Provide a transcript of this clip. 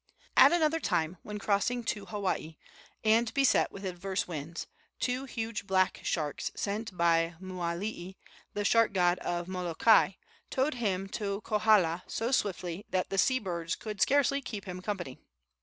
At another time, when crossing to Hawaii, and beset with adverse winds, two huge black sharks, sent by Mooalii, the shark god of Molokai, towed him to Kohala so swiftly that the sea birds could scarcely keep him company.